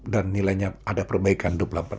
dan nilainya ada perbaikan dua puluh empat